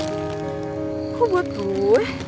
kok buat gue